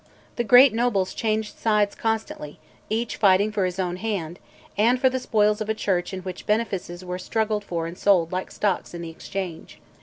The great nobles changed sides constantly, each "fighting for his own hand," and for the spoils of a Church in which benefices were struggled for and sold like stocks in the Exchange.